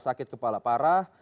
sakit kepala parah